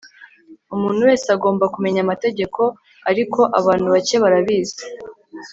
umuntu wese agomba kumenya amategeko, ariko abantu bake barabizi